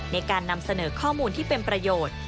ในการนำเสนอข้อมูลที่เป็นประโยชน์